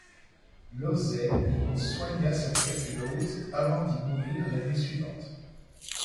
Lauzet y soigna sa tuberculose, avant d'y mourir l'année suivante.